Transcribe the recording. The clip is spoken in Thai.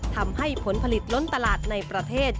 ทำให้ผลผลิตล้นตลาดในประเทศ